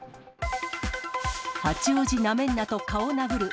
八王子なめんなと顔殴る。